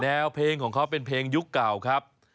เพลงของเขาเป็นเพลงยุคเก่าครับ